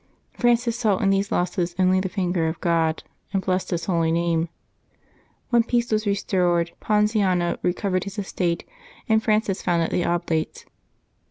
Prances saw"^in these losses only the finger of God, and blessed His holy name. When peace was restored Pon ziano recovered his estate, and Frances founded the Oblates.